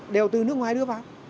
đều từ nước ngoài đưa vào